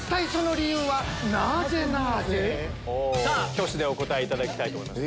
挙手でお答えいただきたいと思います。